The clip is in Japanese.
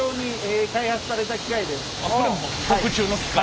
これもう特注の機械？